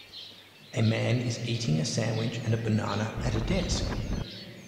A man is eating a sandwich and a banana at a desk.